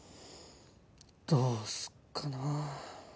どうすっかな。